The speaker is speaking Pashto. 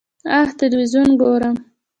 ه تلویزیون ګورم.